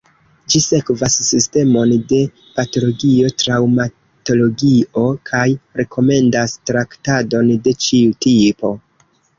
Ĝi sekvas sistemon de patologio-traŭmatologio kaj rekomendas traktadon de ĉiu tipo.